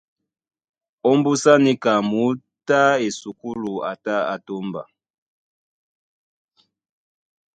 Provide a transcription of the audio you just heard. Ómbúsá níka muútú á esukúlu a tá á tómba.